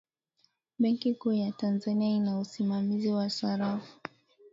benki kuu ya tanzania ina usimamizi wa sarafu